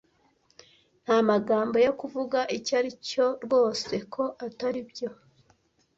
Nta magambo yo kuvuga icyo aricyo rwose, ko ataribyo